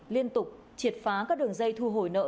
liên tục triệt phá các đường dây thu hồi nợ